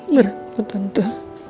berat buat tante